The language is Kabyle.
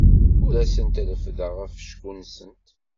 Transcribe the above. Ur asent-reffdeɣ afecku-nsent.